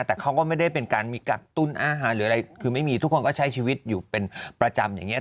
แต่เขาก็ไม่ได้เป็นการมีกักตุ้นอาหารหรืออะไรคือไม่มีทุกคนก็ใช้ชีวิตอยู่เป็นประจำอย่างนี้